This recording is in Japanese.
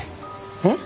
えっ？